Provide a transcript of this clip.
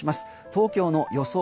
東京の予想